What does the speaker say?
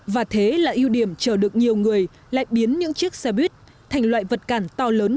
và thế là ưu điểm chờ được nhiều người lại biến những chiếc xe buýt thành loại vật cản to lớn